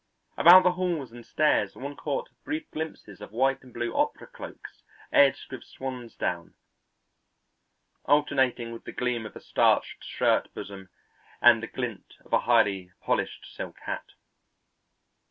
About the halls and stairs one caught brief glimpses of white and blue opera cloaks edged with swan's down alternating with the gleam of a starched shirt bosom and the glint of a highly polished silk hat.